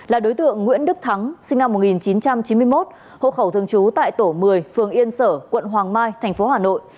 là đối tượng nguyễn đức thắng sinh năm một nghìn chín trăm chín mươi một hộ khẩu thường trú tại tổ một mươi phường yên sở quận hoàng mai tp hà nội